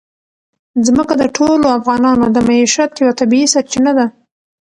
ځمکه د ټولو افغانانو د معیشت یوه طبیعي سرچینه ده.